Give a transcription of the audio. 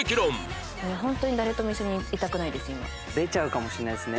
本当に誰とも一緒にいたくないです